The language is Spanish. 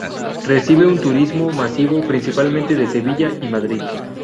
Recibe un turismo masivo, principalmente de Sevilla y Madrid.